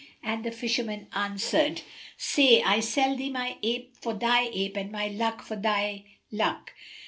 and the fisherman answered, "Say, I sell thee my ape for thy ape and my luck for thy luck."